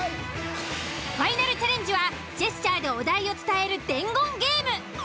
ファイナルチャレンジはジェスチャーでお題を伝える伝言ゲーム。